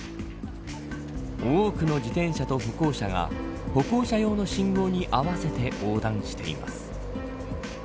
多くの自転車と歩行者が歩行者用の信号に合わせて横断しています。